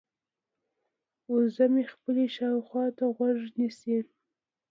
وزه مې خپلې شاوخوا ته غوږ نیسي.